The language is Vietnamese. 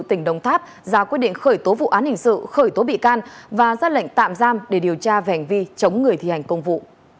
tỉnh đồng tháp ra quyết định khởi tố vụ án hình sự khởi tố bị can và ra lệnh tạm giam để điều tra về hành vi chống người thi hành công vụ